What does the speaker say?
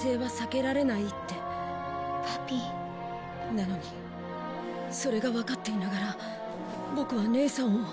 なのにそれがわかっていながらボクは姉さんを。